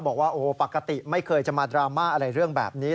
บอกว่าโอ้ปกติไม่เคยจะมาดราม่าอะไรเรื่องแบบนี้